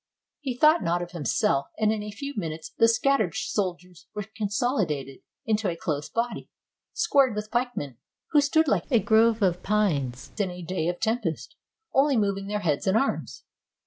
He thought not of himself; and in a few minutes the scattered soldiers were consolidated into a close body, squared with pikemen, who stood like a grove of pines in a day of tempest, only moving their heads and arms.